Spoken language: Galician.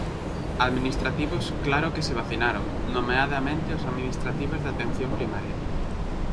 Administrativos claro que se vacinaron, nomeadamente os administrativos de atención primaria.